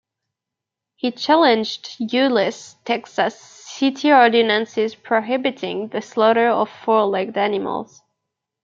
He challenged Euless, Texas city ordinances prohibiting the slaughter of four-legged animals.